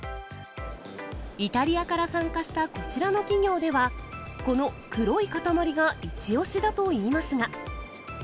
イタリアから参加したこちらの企業では、この黒い塊が一押しだといいますが。